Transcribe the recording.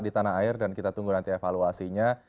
di tanah air dan kita tunggu nanti evaluasinya